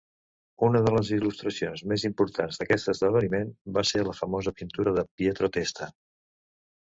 Una de les il·lustracions més importants d'aquest esdeveniment va ser la famosa pintura de Pietro Testa.